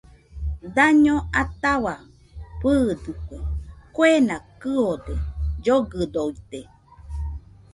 Daño ataua fɨɨdɨkue, kuena kɨode, llogɨdoite